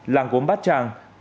làng gốm bát tràng